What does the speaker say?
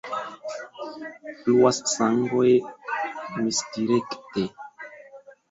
Fluas sangoj misdirekte.